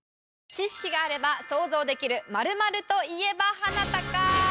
知識があれば想像できる「○○と言えばハナタカ」！